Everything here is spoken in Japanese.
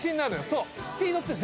そう！